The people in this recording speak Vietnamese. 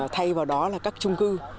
thay vào đó là các trung cư